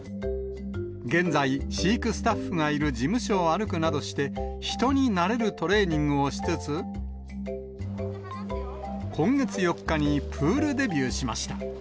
現在、飼育スタッフがいる事務所を歩くなどして、人になれるトレーニングをしつつ、今月４日にプールデビューしました。